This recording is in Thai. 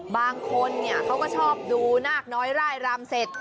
บางคนเขาก็ชอบดูรำกันไร่รำเสร็จ